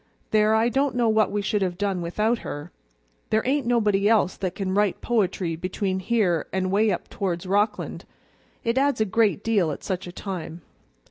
There, I don't know what we should have done without her; there ain't nobody else that can write poetry between here and 'way up towards Rockland; it adds a great deal at such a time.